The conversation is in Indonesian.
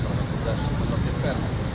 selalu berbukas menunjukkan